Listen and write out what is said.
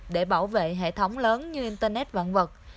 để bảo vệ hệ thống lớn như internet vạn vật